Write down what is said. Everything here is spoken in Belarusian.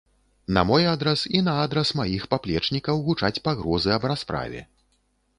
На мой адрас і на адрас маіх паплечнікаў гучаць пагрозы аб расправе.